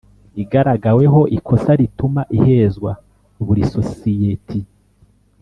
Igaragaweho ikosa rituma ihezwa buri sosiyeti